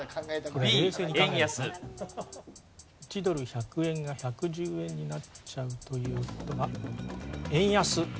１ドル１００円が１１０円になっちゃうという事は。